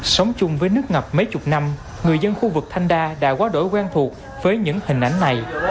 sống chung với nước ngập mấy chục năm người dân khu vực thanh đa đã quá đổi quen thuộc với những hình ảnh này